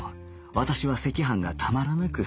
私は赤飯がたまらなく好きだ